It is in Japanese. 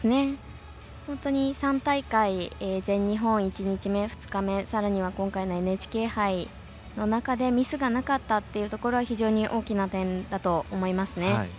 本当に３大会全日本１日目２日目、さらには今回のＮＨＫ杯の中でミスがなかったというところは非常に大きな点だと思います。